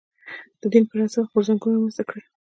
د دین پر اساس غورځنګونه رامنځته کړي